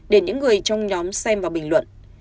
để những người trong nhóm xem và bình luận